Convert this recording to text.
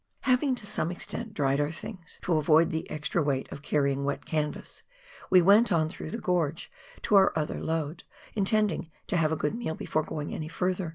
Having to some extent dried our things to avoid the extra weight of carrying wet canvas, we went on through the gorge to our other load, intending to have a good meal before going any further.